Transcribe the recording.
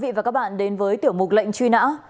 xin chào các bạn đến với tiểu mục lệnh truy nã